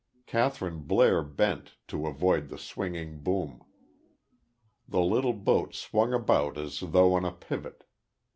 Kathryn Blair bent, to avoid the swinging boom. The little boat swung about as though on a pivot.